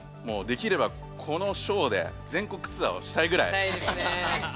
もうできればこのショーで全国ツアーをしたいぐらい。